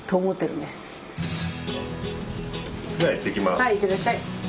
はいいってらっしゃい。